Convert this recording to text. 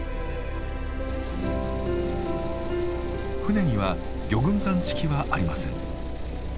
船には魚群探知機はありません。